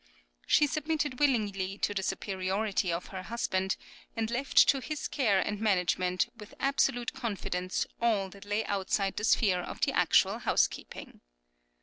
She submitted willingly to the superiority of her husband, and left to his care and management with absolute confidence all that lay outside the sphere of the actual housekeeping.